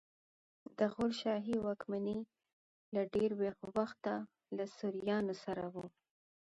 د غور شاهي واکمني له ډېره وخته له سوریانو سره وه